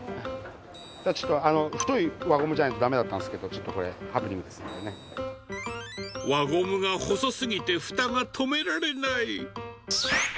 だからちょっと、太い輪ゴムじゃないとだめだったんですけど、ちょっとこれ、輪ゴムが細すぎてふたが留められない。